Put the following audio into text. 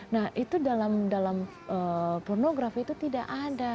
nah itu dalam pornografi itu tidak ada